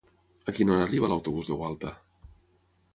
A quina hora arriba l'autobús de Gualta?